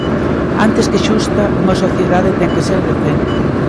Antes que xusta, unha sociedade ten que ser decente.